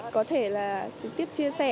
có thể là trực tiếp chia sẻ